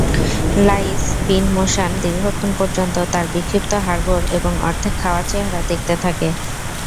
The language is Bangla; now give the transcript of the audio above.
লাঈছ বিন মোশান দীর্ঘক্ষণ পর্যন্ত তার বিক্ষিপ্ত হাড়গোড় এবং অর্ধেক খাওয়া চেহারা দেখতে থাকে।